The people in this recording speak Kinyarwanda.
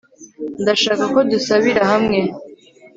ndashaka ko dusubira hamwe